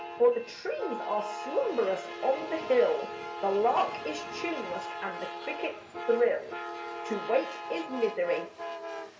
for the trees are slumberous on the hill, The lark is tuneless and the crickets thrill To wake is misery.